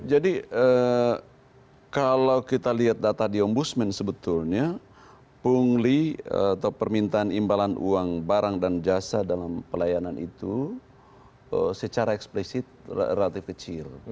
jadi kalau kita lihat data di ombudsman sebetulnya pungli atau permintaan imbalan uang barang dan jasa dalam pelayanan itu secara eksplisit relatif kecil